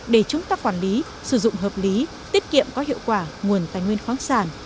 để chúng ta quản lý sử dụng hợp lý tiết kiệm có hiệu quả nguồn tài nguyên khoáng sản